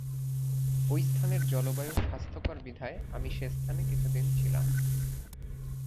ঐ স্থানের জলবায়ু স্বাস্থ্যকর বিধায় আমি সেস্থানে কিছুদিন ছিলাম।